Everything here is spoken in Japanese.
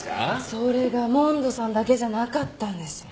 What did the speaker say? それが主水さんだけじゃなかったんですよ。